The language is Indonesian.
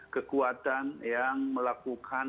kekuatan yang melakukan